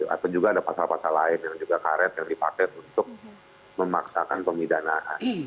atau juga ada pasal pasal lain yang juga karet yang dipakai untuk memaksakan pemidanaan